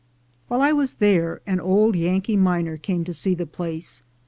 While I was there, an old Yankee miner came to see the place.